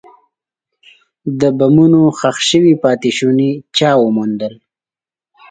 د بمونو ښخ شوي پاتې شوني چا وموندل.